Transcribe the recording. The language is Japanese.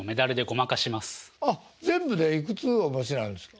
あっ全部でいくつお持ちなんですか？